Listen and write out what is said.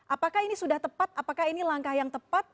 apakah ini sudah tepat apakah ini langkah yang tepat